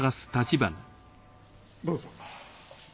どうぞ。